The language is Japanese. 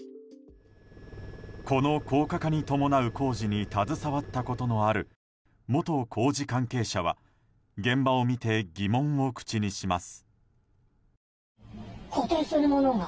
この高架化に伴う工事に携わったことのある元工事関係者は現場を見て、疑問を口にします。